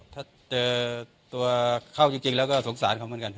ถ้าเจอตัวเข้าจริงแล้วก็สงสารเขาเหมือนกัน